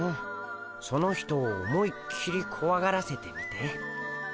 その人を思いっきりこわがらせてみて。